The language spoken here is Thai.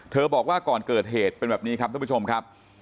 บอกว่าก่อนเกิดเหตุเป็นแบบนี้ครับท่านผู้ชมครับ